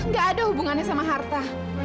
nggak ada hubungannya sama harta